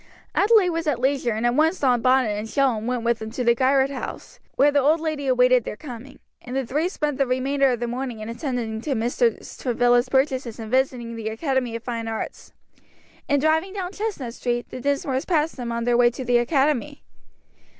Adelaide was at leisure, and at once donned bonnet and shawl and went with him to the Girard House, where the old lady awaited their coming, and the three spent the remainder of the morning in attending to Mrs. Travilla's purchases and visiting the Academy of Fine Arts. In driving down Chestnut street, the Dinsmores passed them on their way to the Academy.